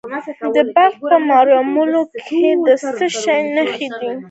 د بلخ په مارمل کې د څه شي نښې دي؟